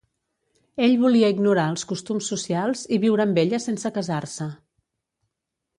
Ell volia ignorar els costums socials i viure amb ella sense casar-se.